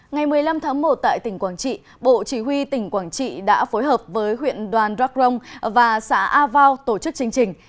ngày một mươi năm tháng một tại tỉnh quảng trị bộ chỉ huy tỉnh quảng trị đã phối hợp với huyện đoàn dracrong và xã a vau tổ chức chương trình